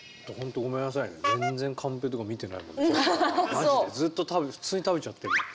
まじでずっと食べ普通に食べちゃってるもん。